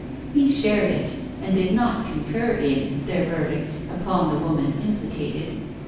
He shared it, and did not concur in, their verdict upon the woman implicated.